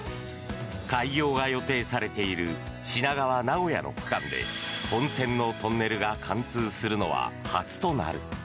開業が予定されている品川名古屋の区間で本線のトンネルが貫通するのは初となる。